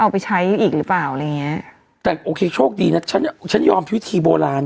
ไปใช้อีกหรือเปล่าอะไรอย่างเงี้ยแต่โอเคโชคดีนะฉันฉันยอมวิธีโบราณ